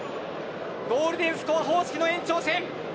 ゴールデンスコア方式の延長戦。